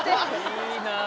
いいなあ。